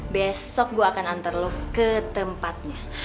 besok gue akan antar lo ke tempatnya